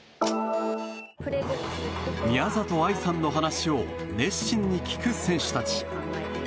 宮里藍さんの話を熱心に聞く選手たち。